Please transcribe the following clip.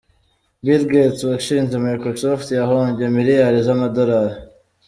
Bill Gates, washinze Microsoft, yahombye miliyari z’amadolari.